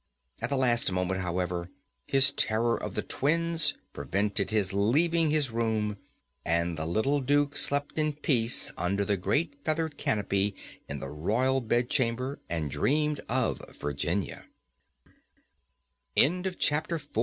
At the last moment, however, his terror of the twins prevented his leaving his room, and the little Duke slept in peace under the great feathered canopy in the Royal Bedchamber, and dreamed of